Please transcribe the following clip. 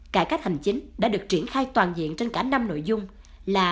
cải cách hành chính đã được triển khai toàn diện trên cả năm nội dung là